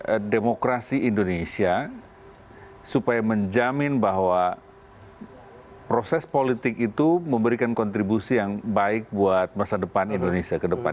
menjaga demokrasi indonesia supaya menjamin bahwa proses politik itu memberikan kontribusi yang baik buat masa depan indonesia ke depan